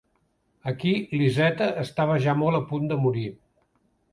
Aquí l'Izeta estava ja molt a punt de morir.